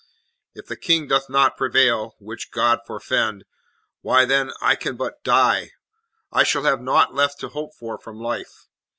If the King doth not prevail which God forfend! why, then, I can but die. I shall have naught left to hope for from life.